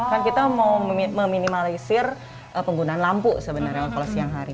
kan kita mau meminimalisir penggunaan lampu sebenarnya kalau siang hari